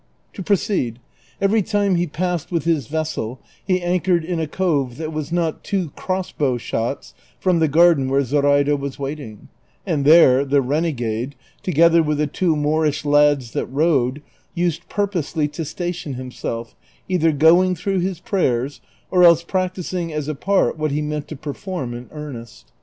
To proceed : every time lie passed with his vessel he anchored in a cove that was not two cross bow shots from the garden where Zoraida was waiting ; and there the renegade, together with the two JNIoorish lads that rowed, used purposely to station himself, either going through his prayers, or else practising as a pai't what he meant to perform in earnest.